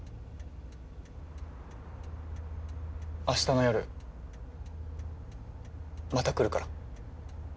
明日の夜また来るから。